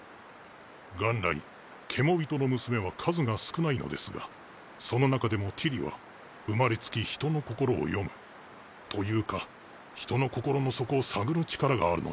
元来ケモビトの娘は数が少ないのですがその中でもティリは生まれつき人の心を読むというか人の心の底を探る力があるのです。